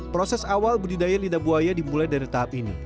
proses awal budidaya lidah buaya dimulai dari tahap ini